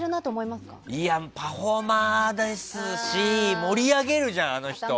パフォーマーですし盛り上げるじゃん。